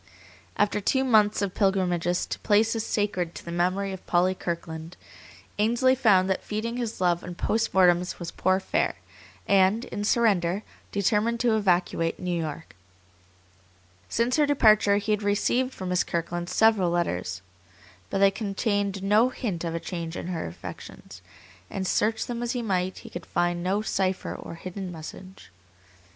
After two months of pilgrimages to places sacred to the memory of Polly Kirkland, Ainsley found that feeding his love on post mortems was poor fare, and, in surrender, determined to evacuate New York. Since her departure he had received from Miss Kirkland several letters, but they contained no hint of a change in her affections, and search them as he might, he could find no cipher or hidden message.